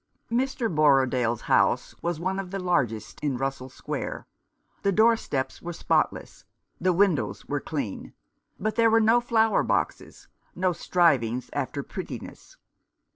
Mr. Borrodaile's house was one of the largest in Russell Square. The doorsteps were spotless, the windows were clean, but there were no flower boxes — no strivings after prettiness.